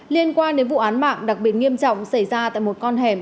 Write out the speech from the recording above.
liên quan đến vụ án mạng đặc biệt nghiêm trọng xảy ra tại một con hẻm